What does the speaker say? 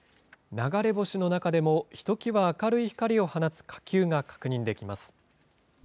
流れ星の中でもひときわ明るい光を放つ火球が確認できます。